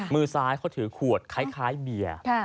มือซ้ายเขาถือขวดคล้ายเบียร์